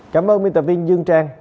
cảm ơn minh tập viên dương trang